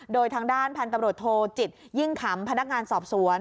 โดยทางด้านพันธุ์ตำรวจโทจิตยิ่งขำพนักงานสอบสวน